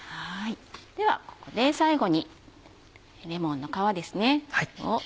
ではここで最後にレモンの皮ですね。